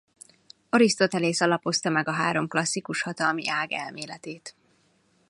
Arisztotelész alapozta meg a három klasszikus hatalmi ág elméletét.